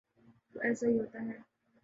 تو ایسا ہی ہوتا ہے۔